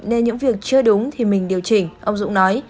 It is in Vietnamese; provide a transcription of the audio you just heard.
nên những việc chưa đúng thì mình điều chỉnh ông dũng nói